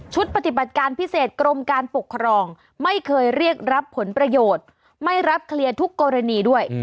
ปฏิบัติการพิเศษกรมการปกครองไม่เคยเรียกรับผลประโยชน์ไม่รับเคลียร์ทุกกรณีด้วย